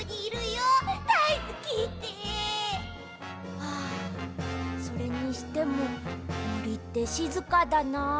はあそれにしてももりってしずかだな。